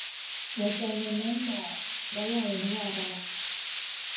หัวใจในม่านหมอก - วลัย นวาระ